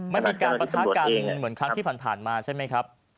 ไม่มีการประทะกันเหมือนครั้งที่ผ่านมาใช่ไหมครับ